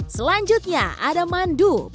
selanjutnya ada mandu